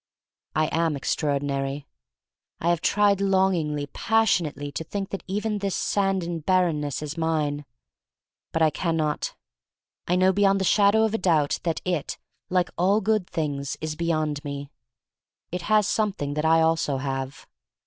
I am extraordinary. I have tried longingly, passionately, to think that even this sand and bar renness is mine. But I can not. I know beyond the shadow of a dotibt that it, like all good things, is beyond me. It has something that I also have.